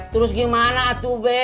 terus gimana atuh be